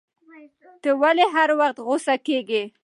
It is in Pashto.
ته ولي هر وخت غوسه کیږی